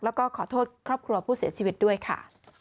แล้วก็ขอโทษครอบครัวผู้เสียชีวิตด้วยค่ะ